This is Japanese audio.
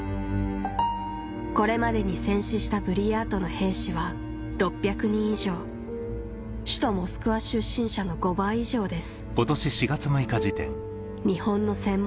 これまでに戦死したブリヤートの兵士は６００人以上首都モスクワ出身者の５倍以上です